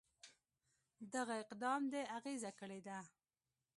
دغه اقدام د اغېزه کړې ده.